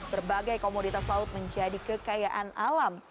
berbagai komoditas laut menjadi kekayaan alam